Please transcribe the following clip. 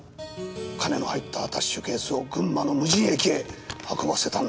金の入ったアタッシェケースを群馬の無人駅へ運ばせたんだ。